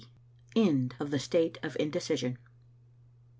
END OF THE STATE OF INDECISION.